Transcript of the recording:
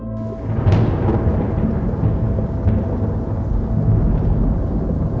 โปรดติดตามตอนต่อไป